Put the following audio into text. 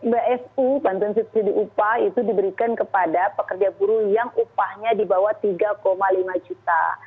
bsu bantuan subsidi upah itu diberikan kepada pekerja buruh yang upahnya di bawah tiga lima juta